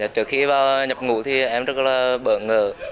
trước khi vào nhập ngũ thì em rất là bỡ ngỡ